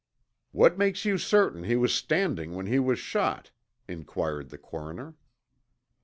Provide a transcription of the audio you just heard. "What makes you certain he was standing when he was shot?" inquired the coroner.